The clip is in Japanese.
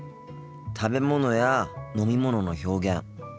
食べ物や飲み物の表現